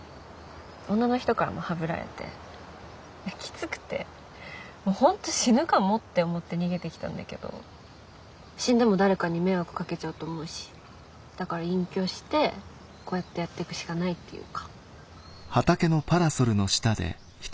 女の人からもハブられてきつくて本当死ぬかもって思って逃げてきたんだけど死んでも誰かに迷惑かけちゃうと思うしだから隠居してこうやってやってくしかないっていうか。